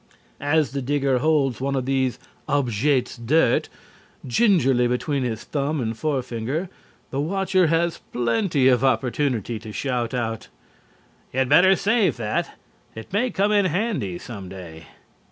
As the digger holds one of these objets dirt gingerly between his thumb and forefinger the watcher has plenty of opportunity to shout out: "You'd better save that. It may come in handy some day.